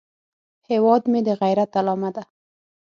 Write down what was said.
هیواد مې د غیرت علامه ده